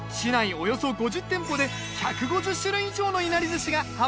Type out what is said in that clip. およそ５０店舗で１５０種類以上のいなり寿司が販売されています。